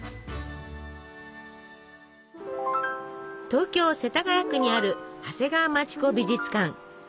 東京・世田谷区にある長谷川町子美術館。